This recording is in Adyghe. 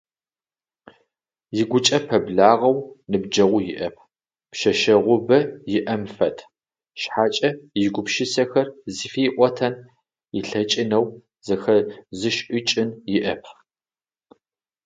Ыгукӏэ пэблагъэу ныбджэгъу иӏэп, пшъэшъэгъубэ иӏэм фэд, шъхьакӏэ игупшысэхэр зыфиӏотэн ылъэкӏынэу, зэхэзышӏыкӏын иӏэп.